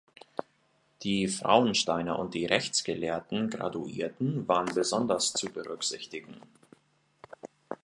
Die Frauensteiner und die rechtsgelehrten Graduierten waren besonders zu berücksichtigen.